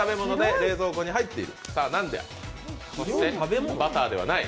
冷蔵庫に入っている。